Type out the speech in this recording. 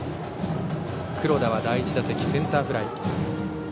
黒田は第１打席センターフライ。